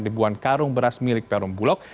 ribuan karung beras milik perumbulok